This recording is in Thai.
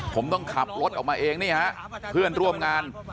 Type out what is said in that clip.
ผมต้องขับรถออกมาเองนี่ฮะเพื่อนร่วมงาน